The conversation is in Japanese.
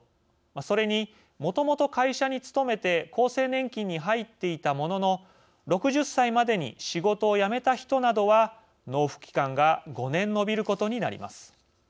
それに、もともと会社に勤めて厚生年金に入っていたものの６０歳までに仕事を辞めた人などは納付期間が５年延びることになります。